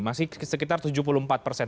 masih sekitar tujuh puluh empat persen